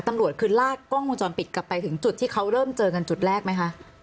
ตำรวจคือลากกล้องวงจรปิดกลับไปถึงจุดที่เขาเริ่มเจอกันจุดแรกไหมคะ